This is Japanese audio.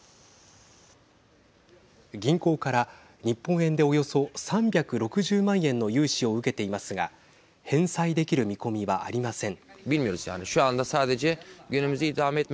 銀行から日本円でおよそ３６０万円の融資を受けていますが返済できる見込みはありません。